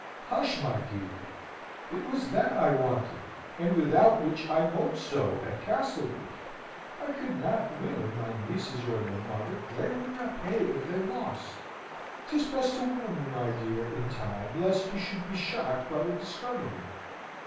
Hush! my dear. It was that I wanted, and without which I moped so at Castlewood! I could not win of my nieces or their mother. They would not pay if they lost. 'Tis best to warn you, my dear, in time, lest you should be shocked by the discovery.